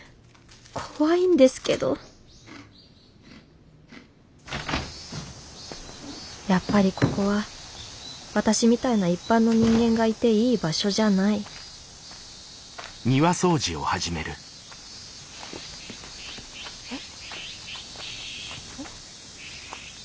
怖いんですけどやっぱりここは私みたいな一般の人間がいていい場所じゃないえっ。